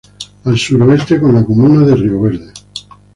Al suroeste con la Comuna de Río Verde.